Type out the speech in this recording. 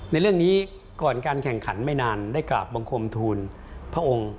ในเรื่องนี้ก่อนการแข่งขันไม่นานได้กราบบังคมทูลพระองค์